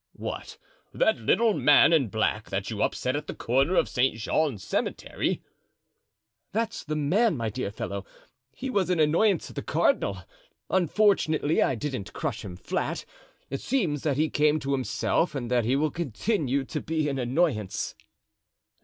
"What! that little man in black that you upset at the corner of Saint Jean Cemetery?" "That's the man, my dear fellow; he was an annoyance to the cardinal. Unfortunately, I didn't crush him flat. It seems that he came to himself and that he will continue to be an annoyance."